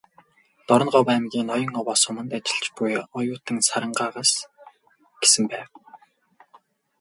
"Дорноговь аймгийн Ноён-Овоо суманд ажиллаж буй оюутан Сарангаа"с гэсэн байв.